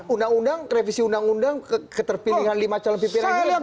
undang undang revisi undang undang keterpilihan lima calon ppk ini menjadi bentuk grandisan